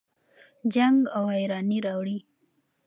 جنګ ویراني راوړي.